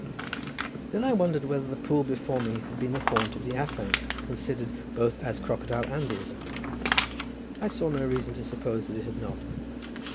Then I wondered whether the pool before me had been the haunt of the afanc, considered both as crocodile and beaver. I saw no reason to suppose that it had not.